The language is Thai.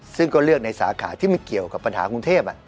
ซึ่งก็เลือกในสาขาที่ไม่เกี่ยวกับปัญหากรุงเทพ